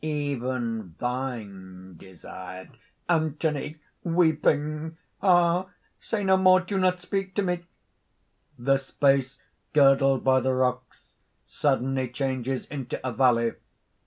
Even thine desired ..." ANTHONY (weeping). "Ah! say no more! do not speak to me!" (_The space girdled by the rocks suddenly changes into a valley.